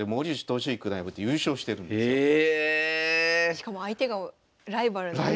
しかも相手がライバルの森内先生。